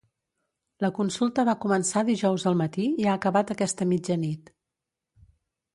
La consulta va començar dijous al matí i ha acabat aquesta mitjanit.